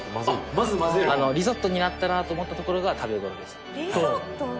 まず混ぜるリゾットになったなと思ったところが食べ頃ですリゾット？